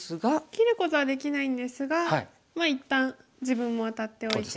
切ることはできないんですがまあ一旦自分もワタっておいて。